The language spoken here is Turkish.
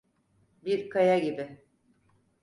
Bir kaya gibi…